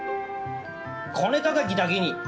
こねたたきだけに！